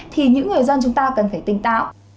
thì những người dân chúng ta cần phải tỉnh táo